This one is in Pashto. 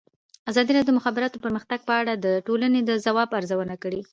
ازادي راډیو د د مخابراتو پرمختګ په اړه د ټولنې د ځواب ارزونه کړې.